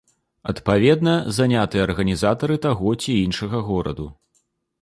Адпаведна, занятыя арганізатары таго ці іншага гораду.